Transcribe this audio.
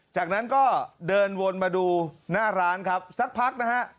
จากนั้นก็เดินวนมาดูหน้าร้านครับสักพักนะฮะ